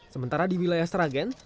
sementara di wilayah sragen